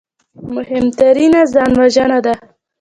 مهمترینه ځانوژنه ده